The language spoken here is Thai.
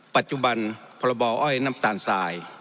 ปัจจุบันพรบอ้อยน้ำตาลทราย